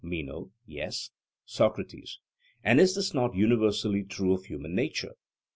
MENO: Yes. SOCRATES: And is not this universally true of human nature?